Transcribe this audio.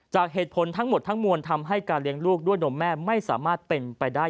จากเหตุผลทั้งหมดทั้งมวลทำให้การเลี้ยงลูกด้วยนมแม่ไม่สามารถเป็นไปได้